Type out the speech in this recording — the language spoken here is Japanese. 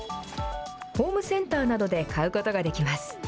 ホームセンターなどで買うことができます。